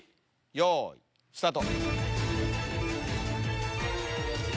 よいスタート！